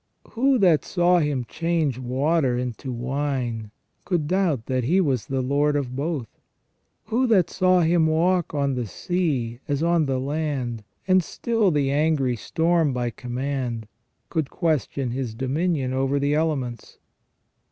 Who that saw Him change water into wine could doubt that He was Lord of both ? Who that saw Him walk on the sea as on the land, and still the angry storm by command, could question His dominion over the elements?